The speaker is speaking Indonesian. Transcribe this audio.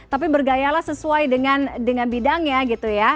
tapi bergayalah sesuai dengan bidangnya